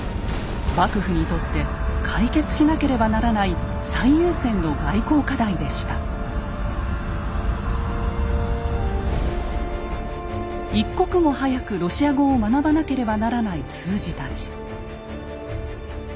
幕府にとって解決しなければならない一刻も早くロシア語を学ばなければならない通詞たち。